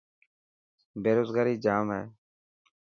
بيروزگاري ڄام هي.